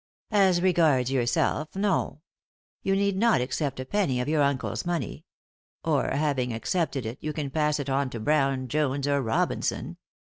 " As regards yourself, no. You need not accept a penny of your uncle's money j or, having accepted it, you can pass it on to Brown, Jones, or Robinson.